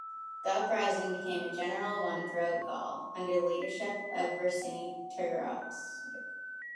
The uprising became a general one throughout Gaul, under the leadership of Vercingetorix.